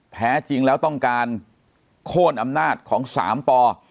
แท้จริงแล้วต้องการโค้นอำนาจของ๓ป